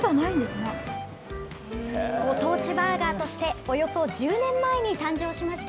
ご当地バーガーとして、およそ１０年前に誕生しました。